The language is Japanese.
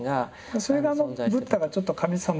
それがブッダがちょっと神様。